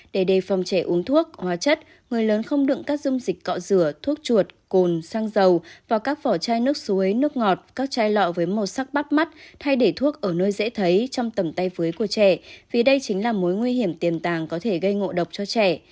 để đề phòng trẻ uống thuốc hóa chất người lớn không đựng các dung dịch cọ rửa thuốc chuột cồn xăng dầu và các vỏ chai nước suối nước ngọt các chai lọ với màu sắc bắt mắt thay để thuốc ở nơi dễ thấy trong tầm tay cưới của trẻ vì đây chính là mối nguy hiểm tiềm tàng có thể gây ngộ độc cho trẻ